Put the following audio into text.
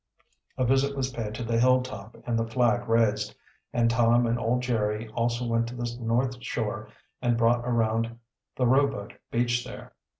A visit was paid to the hilltop and the flag raised, and Tom and old Jerry also went to the north shore and brought around the rowboat beached there.